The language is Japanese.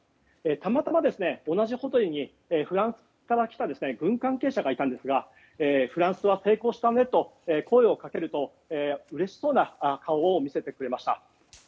たまたま同じホテルにフランスから来た軍関係者がいたんですがフランスは成功したねと声をかけると、うれしそうな顔を見せてくれました。